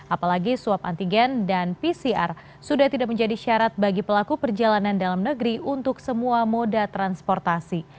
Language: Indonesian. apalagi swab antigen dan pcr sudah tidak menjadi syarat bagi pelaku perjalanan dalam negeri untuk semua moda transportasi